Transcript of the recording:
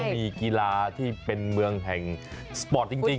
มีกีฬาที่เป็นเมืองแห่งสปอร์ตจริง